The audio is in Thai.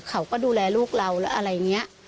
เขาก็ดูแลลูกเราแล้วอะไรเงี้ย